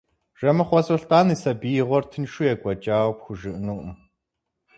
Жэмыхъуэ Сулътӏан и сабиигъуэр тыншу екӏуэкӏауэ пхужыӏэнукъым.